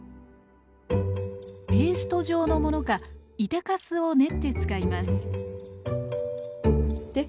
ペースト状のものか板かすを練って使いますで